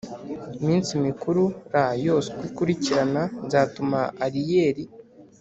Iminsi mikuru r yose uko ikurikirana nzatuma ariyeli